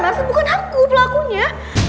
mas bukan aku pelakunya